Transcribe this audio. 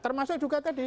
termasuk juga tadi